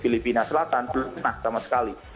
filipina selatan belum pernah sama sekali